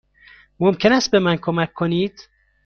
ممکن است به من کمک کنید؟